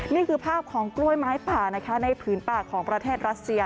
นี่คือภาพของกล้วยไม้ป่านะคะในผืนป่าของประเทศรัสเซีย